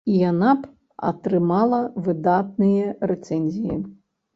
І яна б атрымала выдатныя рэцэнзіі.